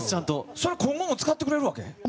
それ、今後も使ってくれるわけ？